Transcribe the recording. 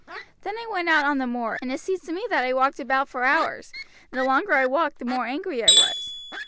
Then I went out on the moor, and it seems to me that I walked about for hours, and the longer I walked the more angry I was.